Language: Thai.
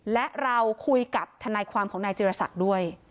และเราคุยกับทนายความของนายจิรษักด้วย